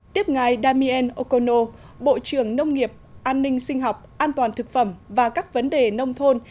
tiếp ngài damiel okono bộ trưởng nông nghiệp an ninh sinh học an toàn thực phẩm và các vấn đề nông thôn